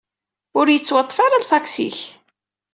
Ur yettwaṭṭef ara lfaks-ik.